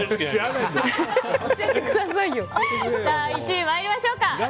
１位参りましょうか。